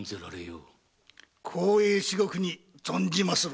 光栄至極に存じまする。